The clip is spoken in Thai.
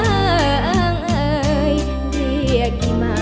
เอ่อเอ่อเอ่อเอ่อเรียกมา